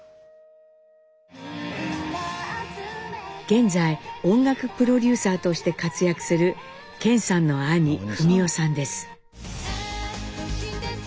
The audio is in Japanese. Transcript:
現在音楽プロデューサーとして活躍する顕さんの兄史生さんです。